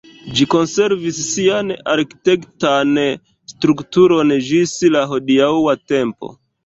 Ĝi konservis sian arkitektan strukturon ĝis la hodiaŭa tempo.